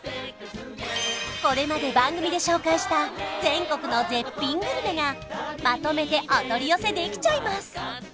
これまで番組で紹介した全国の絶品グルメがまとめてお取り寄せできちゃいます